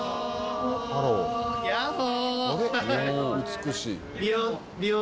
美しい。